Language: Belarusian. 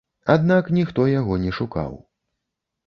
Аднак ніхто яго не шукаў.